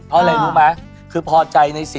ถั่วดวงจันทร์